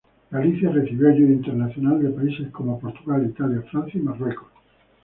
Galicia recibió ayuda internacional de países como Portugal, Italia, Francia y Marruecos.